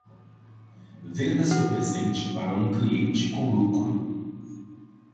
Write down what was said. Venda seu presente para um cliente com lucro.